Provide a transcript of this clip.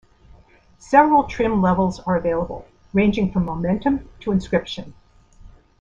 Several trim levels are available, ranging from "Momentum" to "Inscription".